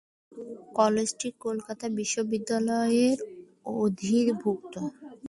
কলেজটি কলকাতা বিশ্ববিদ্যালয়ের অধিভুক্ত।